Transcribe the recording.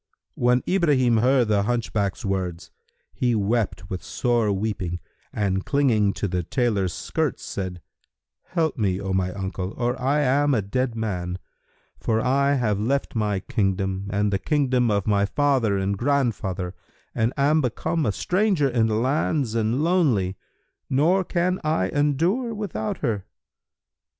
When Ibrahim heard the hunchback's words, he wept with sore weeping and clinging to the tailor's skirts said, "Help me, O my uncle, or I am a dead man; for I have left my kingdom and the kingdom of my father and grandfather and am become a stranger in the lands and lonely; nor can I endure without her."